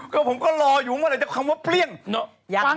ก็ผมก็รออยู่มึงอะไรจากคำว่าเปรี้ยง